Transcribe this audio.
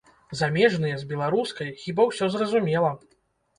Замежныя, з беларускай, хіба, усё зразумела.